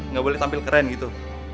nggak boleh tampil keren gitu